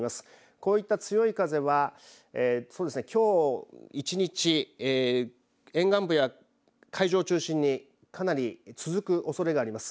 こういった強い風はそうですね、きょう１日沿岸部や海上を中心にかなり続くおそれがあります。